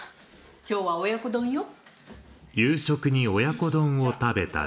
今日は親子丼よ。